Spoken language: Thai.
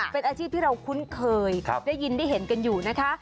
เป็นอาชีพที่เราคุ้นเคยได้ยินได้เห็นกันอยู่นะคะ